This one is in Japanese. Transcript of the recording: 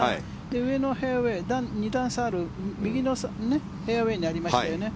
上のフェアウェー２段差ある右のフェアウェーにありましたよね。